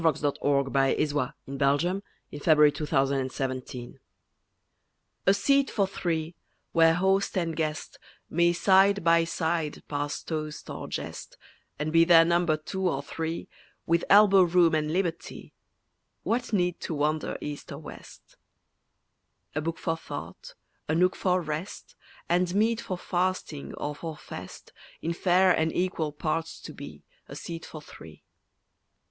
RONDEAU—A SEAT FOR THREE WRITTEN ON THE PANELS OF A SETTLE A SEAT for three, where host and guest May side by side pass toast or jest; And be their number two or three With elbow room and liberty, What need to wander east or west? A book for thought, a nook for rest, And meet for fasting or for fest, In fair and equal parts to be A seat for three.